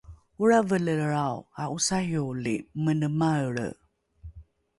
olravelelrao a’osarioli mene maelre